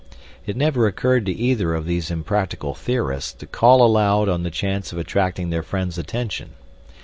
It never occurred to either of these impractical theorists to call aloud on the chance of attracting their friends' attention.